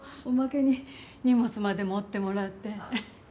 おまけに荷物まで持ってもらって。